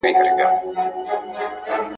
وئېل ئې بس يو زۀ اؤ دېوالونه د زندان دي ..